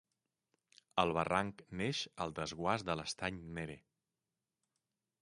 El barranc neix al desguàs de l'Estany Nere.